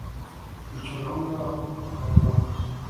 twicara aho ngaho kwa ba mama